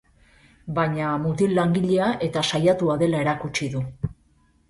Baina mutil langilea eta saiatua dela erkutsi du.